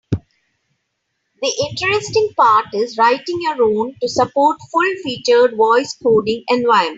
The interesting part is writing your own to support a full-featured voice coding environment.